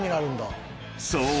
［そう。